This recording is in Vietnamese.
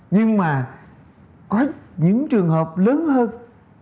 nhưng mà có những trường hợp lớn hơn